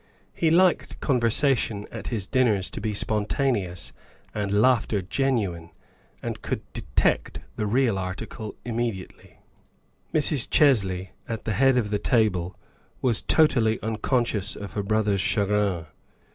He liked conversation at his dinners to be spon taneous and laughter genuine, and could detect the real article immediately. Mrs. Chesley, at the head of the table, was totally un conscious of her brother's chagrin.